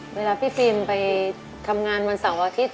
เวลาพี่ฟิล์มไปทำงานวันเสาร์อาทิตย